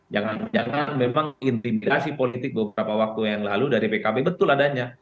jangan jangan memang intimidasi politik beberapa waktu yang lalu dari pkb betul adanya